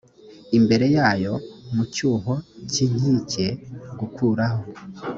imbere yayo mu cyuho cy inkike gukuraho